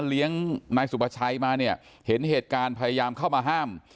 เลี้ยงนายสุภาชัยมาเนี่ยเห็นเหตุการณ์พยายามเข้ามาห้าม